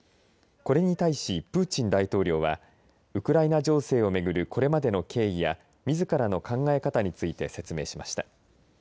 これに対し、プーチン大統領はウクライナ情勢をめぐるこれまでの経緯やみずからの考え方について説明しました。